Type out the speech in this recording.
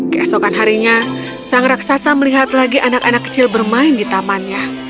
keesokan harinya sang raksasa melihat lagi anak anak kecil bermain di tamannya